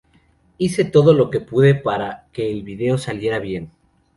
Hice todo lo que pude para que el video saliera bien.